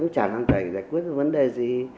chỉ có thể giải quyết vấn đề gì